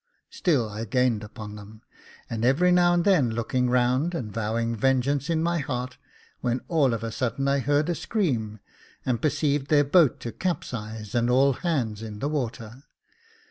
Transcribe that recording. Still I gained upon them, every now and then looking round and vowing vengeance in my heart, when all of a sudden I heard a scream, and perceived their boat to capsize, and all hands in the water.